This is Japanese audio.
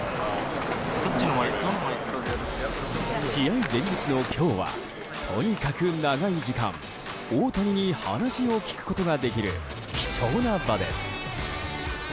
試合前日の今日はとにかく長い時間大谷に話を聞くことができる貴重な場です。